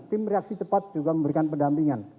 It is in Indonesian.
tim reaksi cepat juga memberikan pendampingan